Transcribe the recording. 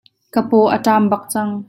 Ka paw a ṭam bak cang.